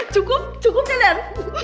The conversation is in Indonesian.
cukup cukup ya den